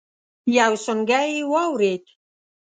يو سونګی يې واورېد.